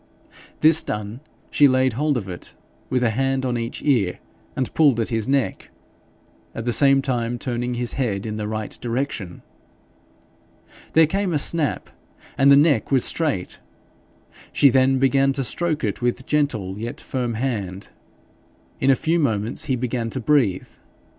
This done, she laid hold of it, with a hand on each ear, and pulled at his neck, at the same time turning his head in the right direction. There came a snap, and the neck was straight. She then began to stroke it with gentle yet firm hand. In a few moments he began to breathe.